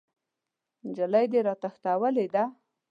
نجلۍ دې راتښتولې ده!